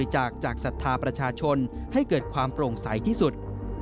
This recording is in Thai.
จากศรัทธาประชาชนให้เกิดความโปร่งใสที่สุด